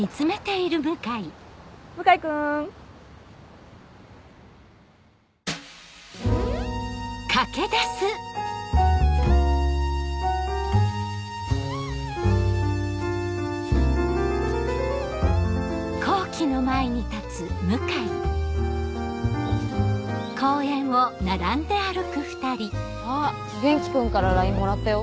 向井くん？あっ元気君からＬＩＮＥもらったよ。